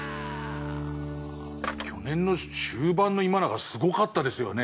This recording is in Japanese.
去年の終盤の今永すごかったですよね。